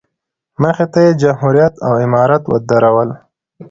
مخې ته یې جمهوریت او امارت ودرول.